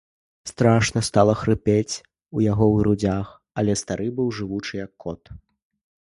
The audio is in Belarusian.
Страшна стала хрыпець у яго ў грудзях, але стары быў жывучы, як кот.